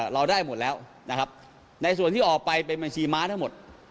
เราได้หมดแล้วนะครับในส่วนที่ออกไปเป็นบัญชีม้าทั้งหมด